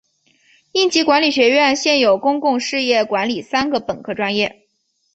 应急管理学院现有公共事业管理三个本科专业。